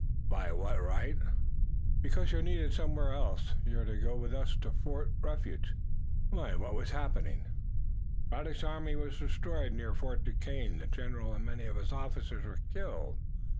"By what right?" "Because you're needed somewhere else. You're to go with us to Fort Refuge." "What has happened?" "Braddock's army was destroyed near Fort Duquesne. The general and many of his officers were killed.